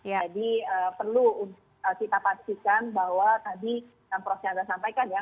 jadi perlu kita pastikan bahwa tadi yang prof chandra sampaikan ya